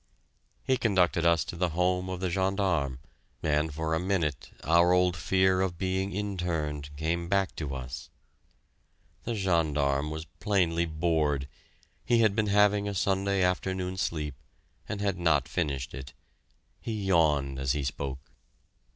He conducted us to the home of the gendarme and for a minute our old fear of being interned came back to us! The gendarme was plainly bored he had been having a Sunday afternoon sleep, and had not finished it. He yawned as he spoke.